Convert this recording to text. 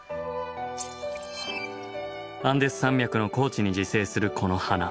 アンデス山脈の高地に自生するこの花。